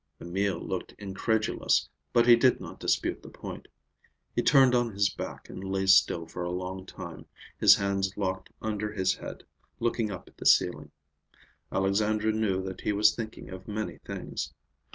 Emil looked incredulous, but he did not dispute the point. He turned on his back and lay still for a long time, his hands locked under his head, looking up at the ceiling. Alexandra knew that he was thinking of many things.